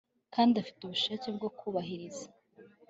kandi afite ubushake bwo kubahiriza